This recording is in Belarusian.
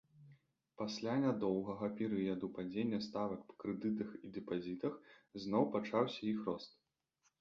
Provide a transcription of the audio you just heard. Пасля нядоўгага перыяду падзення ставак па крэдытах і дэпазітах зноў пачаўся іх рост.